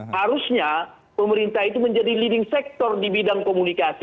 harusnya pemerintah itu menjadi leading sector di bidang komunikasi